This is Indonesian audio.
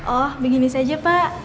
oh begini saja pak